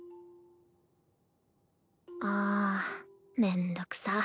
ああめんどくさっ。